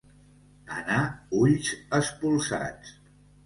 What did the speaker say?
Anar ulls espolsats.